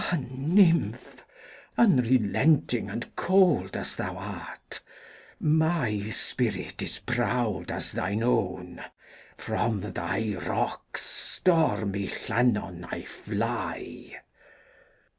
Ah, nymph! unrelenting and cold as thou art, My spirit is proud as thine own! From thy rocks, stormy Llannon, I fly.